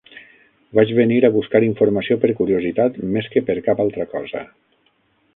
Vaig venir a buscar informació per curiositat més que per cap altra cosa.